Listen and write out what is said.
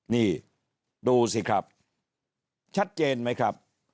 นี่ดูสิครับชัดเจนไหมครับ